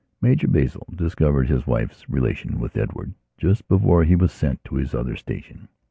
Major Basil discovered his wife's relation with Edward just before he was sent to his other station.